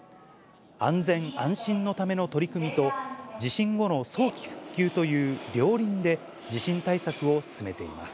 安全・安心のための取り組みと、地震後の早期復旧という両輪で、地震対策を進めています。